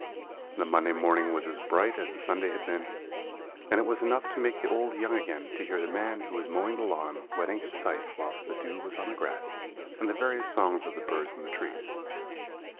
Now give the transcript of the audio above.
"The Monday morning was as bright as the Sunday had been, and it was enough to make the old young again to hear the man who was mowing the lawn whetting his scythe whilst the dew was on the grass, and the various songs of the birds in the trees.